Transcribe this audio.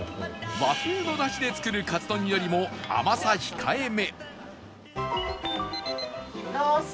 和風のダシで作るカツ丼よりも甘さ控えめ